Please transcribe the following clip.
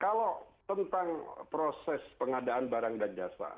kalau tentang proses pengadaan barang dan jasa